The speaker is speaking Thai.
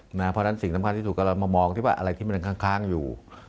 เพราะฉะนั้นสิ่งสำคัญที่สุดกำลังมามองที่ว่าอะไรที่มันยังค้างอยู่